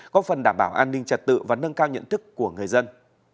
góp phần đảm bảo an ninh trật tự và nâng cao nhận thức của người dân